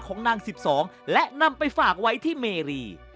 ของนาง๑๒และนำไปฝากไว้ที่เมรี